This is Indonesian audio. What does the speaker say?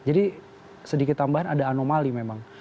jadi sedikit tambahan ada anomali memang